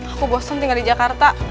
aku bosen tinggal di jakarta